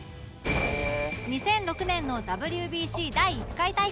２００６年の ＷＢＣ 第１回大会